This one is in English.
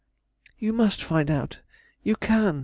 "You must find out you can!"